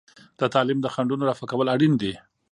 د تعلیم د خنډونو رفع کول اړین دي.